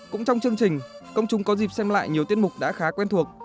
cũng trong chương trình công chúng có dịp xem lại nhiều tiết mục đã khá quen thuộc